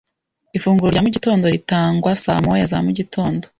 Ifunguro rya mu gitondo ritangwa saa moya za mugitondo